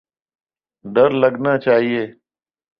ڈر لگنا چاہیے۔